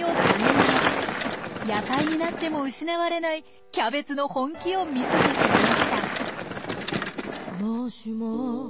野菜になっても失われないキャベツの本気を見せてくれました。